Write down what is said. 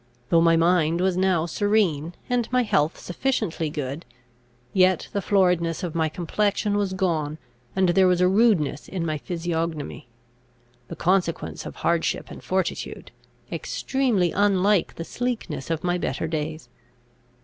Though my mind was now serene, and my health sufficiently good, yet the floridness of my complexion was gone, and there was a rudeness in my physiognomy, the consequence of hardship and fortitude, extremely unlike the sleekness of my better days.